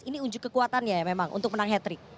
ini unjuk kekuatannya ya memang untuk menang hat trick